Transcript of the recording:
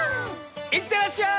いってらっしゃい！